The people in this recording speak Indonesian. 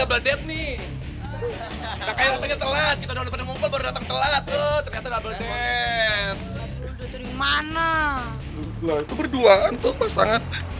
lah itu berduaan tuh pasangan